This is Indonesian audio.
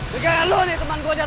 lekaran lu nih teman gue jatuh